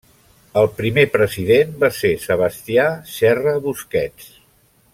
El primer president va ser Sebastià Serra Busquets.